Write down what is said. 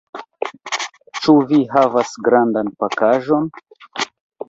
Ĉu vi havas grandan pakaĵon?